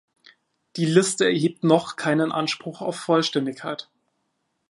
Die Liste erhebt noch keinen Anspruch auf Vollständigkeit.